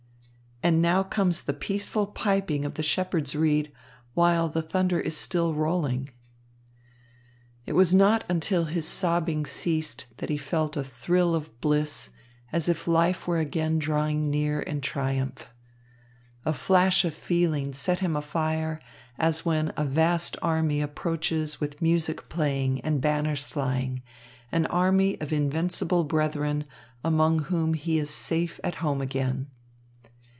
And now comes the peaceful piping of the shepherd's reed, while the thunder is still rolling." It was not until his sobbing ceased that he felt a thrill of bliss, as if life were again drawing near in triumph. A flash of feeling set him afire, as when a vast army approaches with music playing and banners flying, an army of invincible brethren, among whom he is safe at home again.